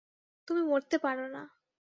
তুমি মরতে পারো না।